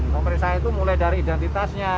pemeriksaan itu mulai dari identitasnya